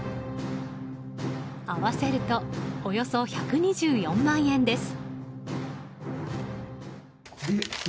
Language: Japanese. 合わせるとおよそ１２４万円です。